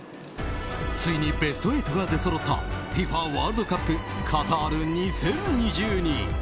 ついにベスト８が出そろったＦＩＦＡワールドカップカタール２０２２。